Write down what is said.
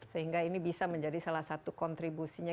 sehingga ini bisa menjadi salah satu kontribusinya